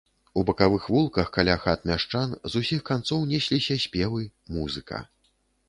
У бакавых вулках каля хат мяшчан з усіх канцоў несліся спевы, музыка.